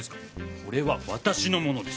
これは私のものです！